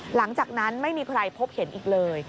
หลังจากนั้นไม่มีใครพบเห็นอีกเลย